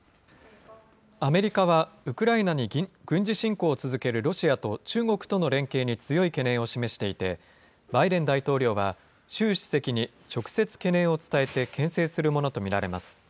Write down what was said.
アメリカはウクライナに軍事侵攻を続けるロシアと中国との連携に強い懸念を示していて、バイデン大統領は、習主席に直接懸念を伝えてけん制するものと見られます。